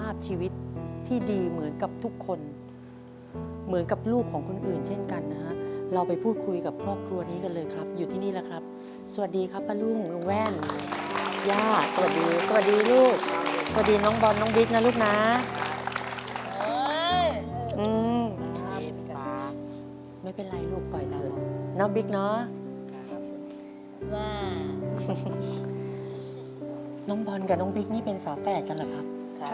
ภาพชีวิตที่ดีเหมือนกับทุกคนเหมือนกับลูกของคนอื่นเช่นกันนะฮะเราไปพูดคุยกับครอบครัวนี้กันเลยครับอยู่ที่นี่แหละครับสวัสดีครับป้าลุ้งลูกแม่นสวัสดีสวัสดีลูกสวัสดีน้องบอลน้องบิ๊กนะลูกนะไม่เป็นไรลูกปล่อยเถอะน้องบิ๊กเนาะน้องบอลกับน้องบิ๊กนี่เป็นฝาแฝดกันหรอครับ